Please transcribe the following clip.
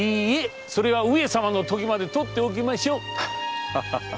それは上様のときまでとっておきましょう！